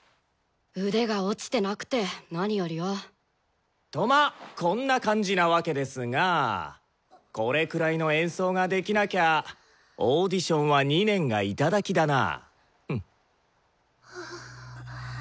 腕が落ちてなくて何よりよ。とまあこんな感じなわけですがこれくらいの演奏ができなきゃオーディションは２年がいただきだな！